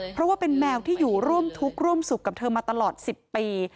เพราะว่าเป็นแมวที่อยู่ร่วมทุกข์ร่วมสุขกับเธอมาตลอด๑๐ปี